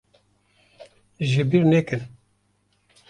Ji bîr nekin.